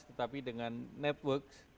tetapi dengan network